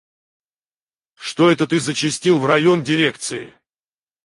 Что это ты зачастил в район дирекции?